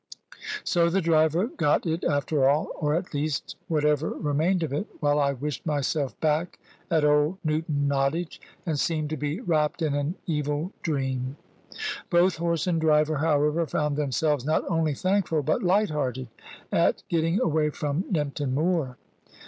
So the driver got it after all, or at least whatever remained of it, while I wished myself back at Old Newton Nottage, and seemed to be wrapped in an evil dream. Both horse and driver, however, found themselves not only thankful, but light hearted, at getting away from Nympton Moor.